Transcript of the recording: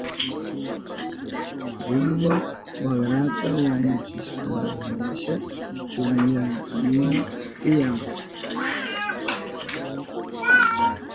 Wiwa wakrata wañuchishkanwasha chunchulinan tiyan.